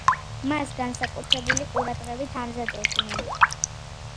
მას განსაკუთრებული ყურადღებით ამზადებდნენ.